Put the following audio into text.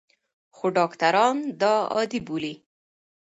خو ډاکټران دا عادي بولي.